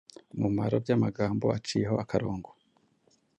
umumaro by’amagambo aciyeho akarongo.